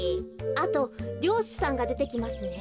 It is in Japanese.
あとりょうしさんがでてきますね。